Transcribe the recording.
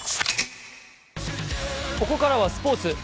ここからはスポーツ。